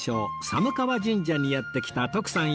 寒川神社にやって来た徳さん